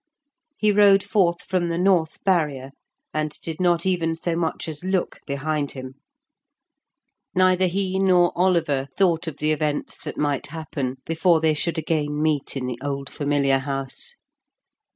He rode forth from the North Barrier, and did not even so much as look behind him. Neither he nor Oliver thought of the events that might happen before they should again meet in the old familiar house!